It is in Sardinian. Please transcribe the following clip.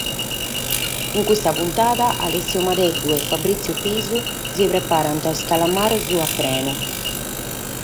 In custa puntada Alessio Madeddu e Fabrizio Pisu nos preparant sos calamaros a prenu.